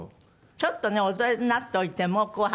ちょっとねお出になっておいても『紅白』はね。